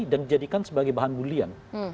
dan dijadikan sebagai bahan bulian